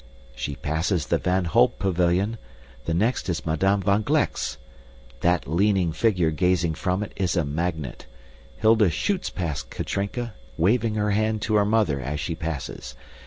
She passes the Van Holp pavilion. The next is Madame van Gleck's. That leaning figure gazing from it is a magnet. Hilda shoots past Katrinka, waving her hand to her mother as she passes.